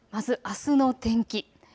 まずあすの天気。